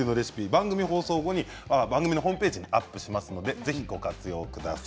番組放送後に番組のホームページにアップしますのでぜひご活用ください。